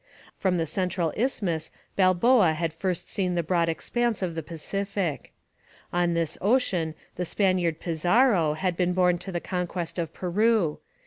From the central isthmus Balboa had first seen the broad expanse of the Pacific. On this ocean the Spaniard Pizarro had been borne to the conquest of Peru.